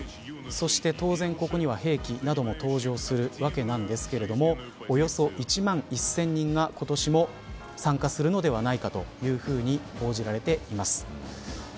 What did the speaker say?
そして当然、ここには兵器なども登場するわけなんですけれどもおよそ１万１０００人が今年も参加するのではないかというふうに報じられています。